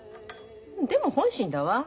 でも本心だわ。